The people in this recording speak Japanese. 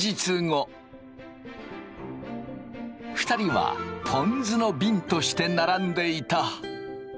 ２人はぽん酢のびんとして並んでいた。